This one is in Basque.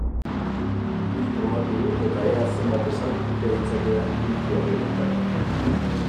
Nik probatuko dut ea zenbat esaldi kopia ditzakedan wiki-orri honetara.